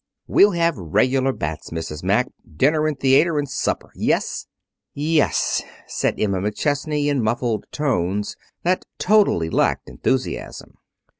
We'll have regular bats, Mrs. Mack. Dinner and the theater and supper! Yes?" "Yes," said Emma McChesney, in muffled tones that totally lacked enthusiasm.